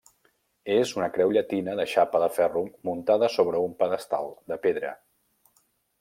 És una creu llatina de xapa de ferro muntada sobre un pedestal de pedra.